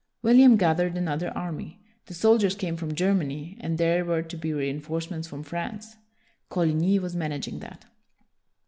William gathered another army. The soldiers came from Germany, and there were to be reinforcements from France: Coligny was managing that.